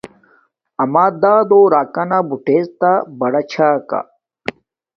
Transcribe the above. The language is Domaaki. اما دادو راکانا بوتڎتا بڑا چھا کا